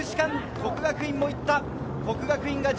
國學院も行った！